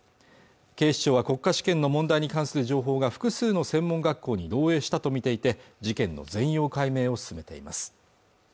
警視庁は国家試験の問題に関する情報が複数の専門学校に漏洩したと見ていて事件の全容解明を進めています